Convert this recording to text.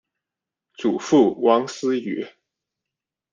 祖父王思与。